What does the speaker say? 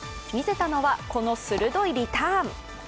見せたのはこの鋭いリターン。